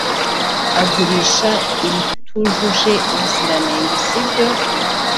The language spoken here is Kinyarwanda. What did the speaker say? agurisha ibitujuje ubuziranenge sibyo